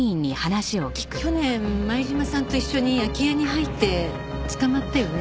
去年前島さんと一緒に空き家に入って捕まったよね？